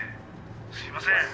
すいません。